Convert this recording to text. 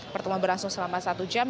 pertemuan berlangsung selama satu jam